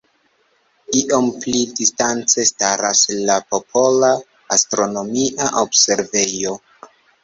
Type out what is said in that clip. Iom pli distance staras la Popola astronomia observejo.